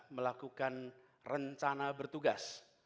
melakukan rencana bertugas